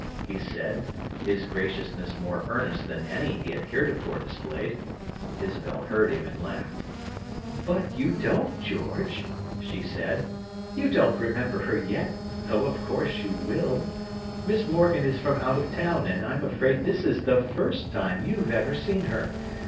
_" he said, his graciousness more earnest than any he had heretofore displayed. Isabel heard him and laughed. "But you don't, George!" she said. "You don't remember her yet, though of course you will! Miss Morgan is from out of town, and I'm afraid this is the first time you've ever seen her.